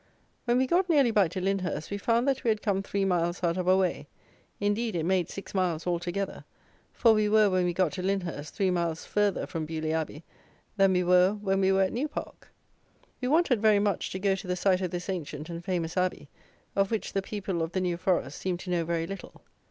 When we got nearly back to Lyndhurst, we found that we had come three miles out of our way; indeed, it made six miles altogether; for we were, when we got to Lyndhurst, three miles further from Beaulieu Abbey than we were when we were at New Park. We wanted, very much, to go to the site of this ancient and famous Abbey, of which the people of the New Forest seemed to know very little.